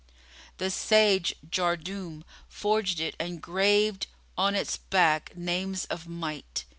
The sage Jardúm forged it and graved on its back names of might.